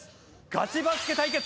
ガチバスケ対決！